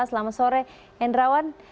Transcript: selama sore hendrawan